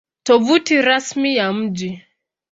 Tovuti Rasmi ya Mji